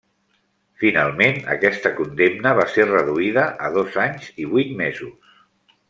Finalment, aquesta condemna va ser reduïda a dos anys i vuit mesos.